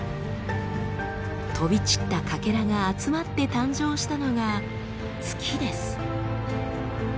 飛び散ったかけらが集まって誕生したのが月です。